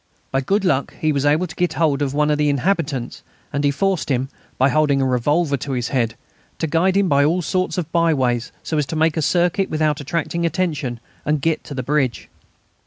By good luck he was able to get hold of one of the inhabitants; and he forced him, by holding his revolver to his head, to guide him by all sorts of byways so as to make a circuit without attracting attention and get to the bridge.